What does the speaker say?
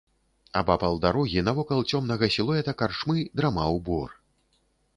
Абапал дарогі, навокал цёмнага сілуэта карчмы, драмаў бор.